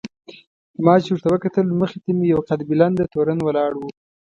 ما چې ورته وکتل مخې ته مې یو قد بلنده تورن ولاړ و.